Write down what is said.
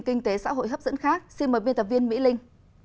kinh tế xã hội hấp dẫn khác xin mời biên tập viên mỹ linh